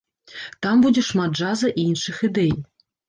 Там будзе шмат джаза і іншых ідэй.